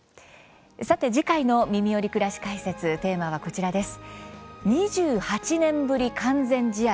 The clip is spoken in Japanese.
さて、次回の「みみより！くらし解説」テーマはこちらです。